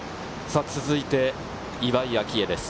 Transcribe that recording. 続いて岩井明愛です。